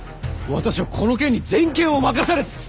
私はこの件に全権を任され。